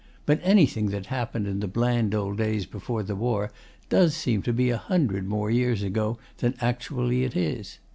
But anything that happened in the bland old days before the war does seem to be a hundred more years ago than actually it is.